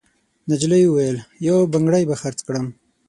نجلۍ وویل: «یو بنګړی به خرڅ کړم.»